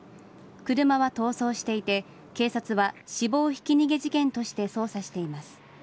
車は逃走していて警察は死亡ひき逃げ事件として捜査しています。